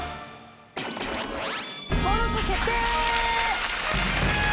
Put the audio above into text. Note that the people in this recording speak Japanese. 登録決定！